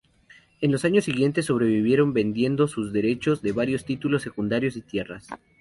En los años siguientes sobrevivieron vendiendo sus derechos de varios títulos secundarios y tierras.